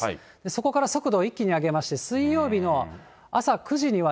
そこから速度を一気に上げまして、水曜日の朝９時には、